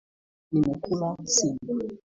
Nimekula sima.